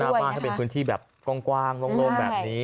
บ้านให้เป็นพื้นที่แบบกว้างโล่งแบบนี้